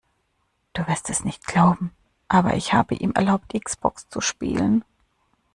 Du wirst es nicht glauben, aber ich habe ihm erlaubt X-Box zu spielen.